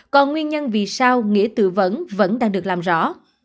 còn nguyên nhân vì sao nghĩa tự vẫn đang được làm rõ